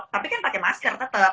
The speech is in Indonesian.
tapi kan pakai masker tetap